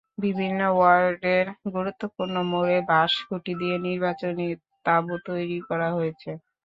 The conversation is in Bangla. বিভিন্ন ওয়ার্ডের গুরুত্বপূর্ণ মোড়ে বাঁশ-খুঁটি দিয়ে নির্বাচনী তাঁবু তৈরি করা হয়েছে।